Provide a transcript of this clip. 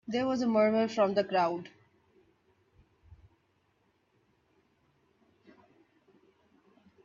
There was a murmur from the crowd.